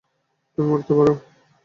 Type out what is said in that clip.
তুমি উড়তে পারো?